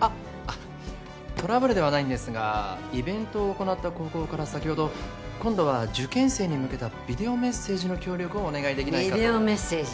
あっトラブルではないんですがイベントを行った高校から先ほど今度は受験生に向けたビデオメッセージの協力をお願いできないかとビデオメッセージ？